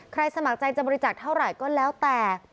สมัครใจจะบริจาคเท่าไหร่ก็แล้วแต่